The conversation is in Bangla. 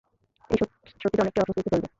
এই সত্যিটা অনেককে অস্বস্তিতে ফেলবে।